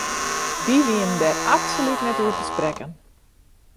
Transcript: Dy wienen dêr absolút net oer te sprekken.